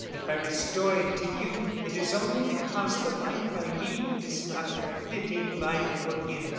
If I restore him to you, it is only because the life I lead is not a fitting life for him.